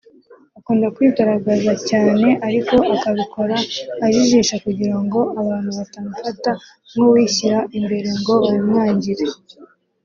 Akunda kwigaragaza cyane ariko akabikora ajijisha kugira ngo abantu batamufata nk’uwishyira imbere ngo babimwangire